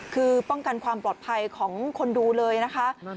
คือป้องกันความปลอดภัยของคนดูเลยนะคะ